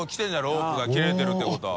ロープが切れてるってことは。